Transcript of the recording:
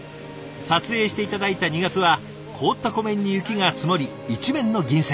撮影して頂いた２月は凍った湖面に雪が積もり一面の銀世界。